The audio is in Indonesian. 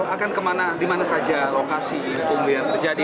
akan kemana dimana saja lokasi itu mulai terjadi